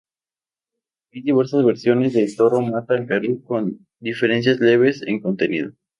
Hay diversas versiones de Toro Mata en Perú, con diferencias leves en contenido.